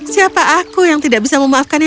siapa aku yang tidak bisa memaafkan ratu